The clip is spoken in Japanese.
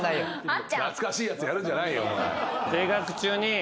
懐かしいやつやるんじゃないよ。